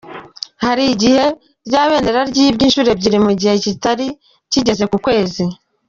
Hari igihe ryo bendera ryibwe incuro ebyiri mu gihe kitari kigeze ku kwezi.